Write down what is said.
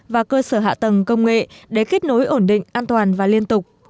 và cơ sở hạ tầng công nghệ để kết nối ổn định an toàn và liên tục